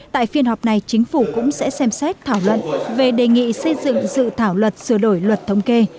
tại phiên họp này chính phủ cũng sẽ xem xét thảo luận về đề nghị xây dựng dự thảo luật sửa đổi luật thống kê